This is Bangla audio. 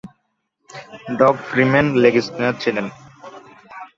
ডগ ফ্রিম্যান লেগ স্পিনার ছিলেন।